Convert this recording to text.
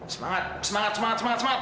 semangat semangat semangat semangat semangat